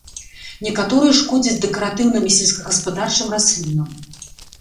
Некаторыя шкодзяць дэкаратыўным і сельскагаспадарчым раслінам.